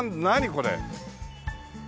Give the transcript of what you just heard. これ。